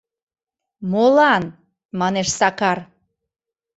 — Молан? — манеш Сакар.